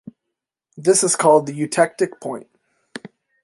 This is called the eutectic point.